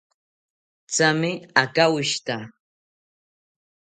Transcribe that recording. Thame akawoshita